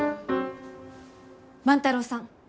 万太郎さん